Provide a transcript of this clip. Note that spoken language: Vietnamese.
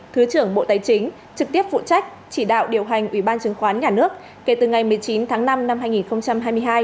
thứ trưởng bộ tài chính trực tiếp phụ trách chỉ đạo điều hành ubnd kể từ ngày một mươi chín tháng năm năm hai nghìn hai mươi hai